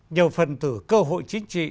nhiều phần từ cơ hội chính trị